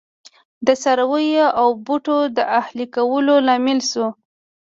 د څارویو او بوټو د اهلي کولو لامل شو.